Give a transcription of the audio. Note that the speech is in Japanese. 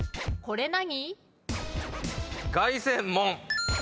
これ何？